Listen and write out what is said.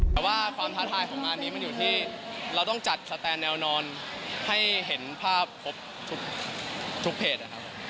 แต่ว่าความท้าทายของงานนี้มันอยู่ที่เราต้องจัดสแตนแนวนอนให้เห็นภาพครบทุกเพจนะครับ